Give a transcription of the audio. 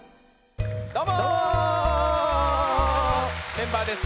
メンバーです。